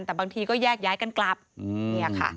แต่บางทีก็แยกย้ายกันกลับเนี่ยค่ะ